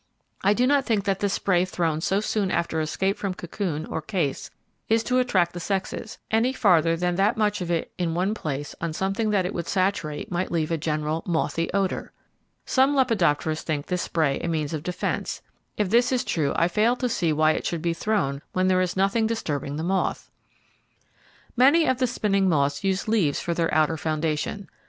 I do not think that the spray thrown so soon after escape from cocoon or case is to attract the sexes, any farther than that much of it in one place on something that it would saturate might leave a general 'mothy' odour. Some lepidopterists think this spray a means of defence; if this is true I fail to see why it should be thrown when there is nothing disturbing the moth. Many of the spinning moths use leaves for their outer foundation.